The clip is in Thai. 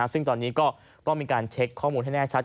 ซึ่งตอนนี้ก็ต้องมีการเช็คข้อมูลให้แน่ชัด